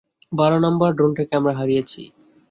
বারো নাম্বার ড্রোনটাকে আমরা হারিয়েছি।